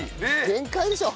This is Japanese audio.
限界でしょ。